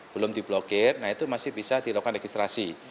belum diblokir nah itu masih bisa dilakukan registrasi